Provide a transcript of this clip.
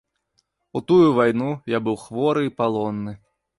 У тую вайну я быў хворы і палонны.